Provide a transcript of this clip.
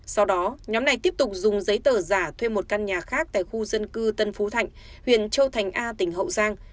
sau đó nhóm này tiếp tục dùng giấy tờ giả thuê một căn nhà khác tại khu dân cư tân phú thạnh huyện châu thành a tỉnh hậu giang